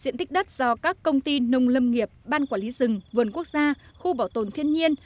diện tích đất do các công ty nông lâm nghiệp ban quản lý rừng vườn quốc gia khu bảo tồn thiên nhiên